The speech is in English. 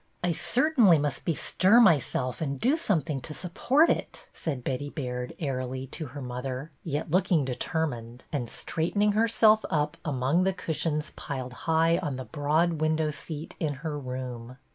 I cer 1 m tainly must bestir myself and do some thing to support it/' said Betty Baird, airily, to her mother, yet looking determined, and straightening herself up among the cushions piled high on the broad window seat in her room.